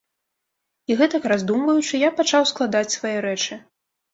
І, гэтак раздумваючы, я пачаў складаць свае рэчы.